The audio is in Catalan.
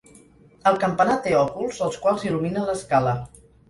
El campanar té òculs, els quals il·luminen l'escala.